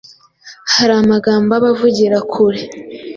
hari amagambo aba avugira kure